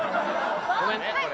ごめんねこれは。